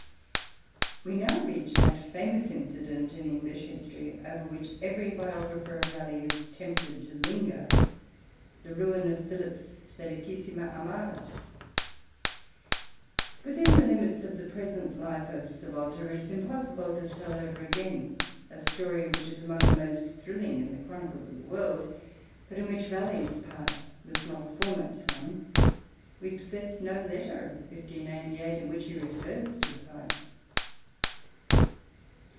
We now reach that famous incident in English history over which every biographer of Raleigh is tempted to linger, the ruin of Philip's Felicissima Armada. Within the limits of the present life of Sir Walter it is impossible to tell over again a story which is among the most thrilling in the chronicles of the world, but in which Raleigh's part was not a foremost one. We possess no letter of 1588 in which he refers to the fight.